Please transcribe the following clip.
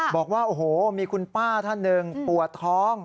บอกว่าโอ้โหมีคุณป้าท่านหนึ่งปวดท้อง